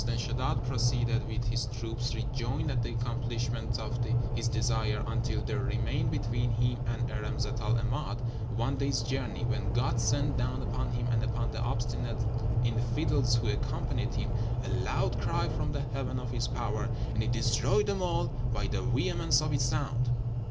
Then Sheddád proceeded with his troops, rejoiced at the accomplishment of his desire, until there remained between him and Irem Zat el 'Emád one day's journey, when God sent down upon him and upon the obstinate infidels who accompanied him a loud cry from the heaven of His power, and it destroyed them all by the vehemence of its sound.